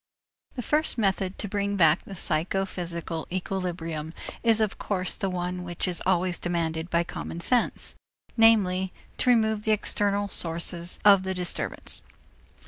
The first method to bring back the psychophysical equilibrium is of course the one which is also demanded by common sense, namely, to remove the external sources of the disturbance.